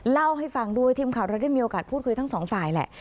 เล่าให้ฟังด้วยทีมข่าวเราได้มีโอกาสพูดคุยทั้งสองฝ่ายแหละ